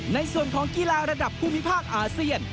ในส่วนของกีฬาระดับภูมิภาคอาเซียน